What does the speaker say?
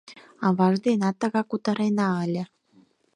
Аваж денат тыгак кутыренна ыле.